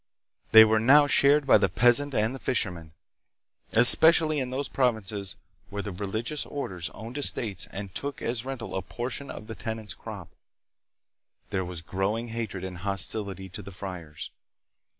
They were now shared by the peasant and the fisherman. Especially in those provinces, where the religious orders owned estates and took as rental a portion of the ten ants' crop, there was growing hatred and hostility to the friars.